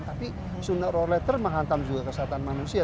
tapi sooner or later menghantam juga kesehatan manusia